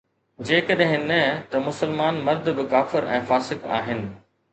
جيڪڏهن نه ته مسلمان مرد به ڪافر ۽ فاسق آهن